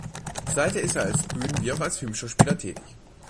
Seither ist er als Bühnen- wie auch als Filmschauspieler tätig.